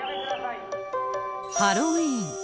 ハロウィーン。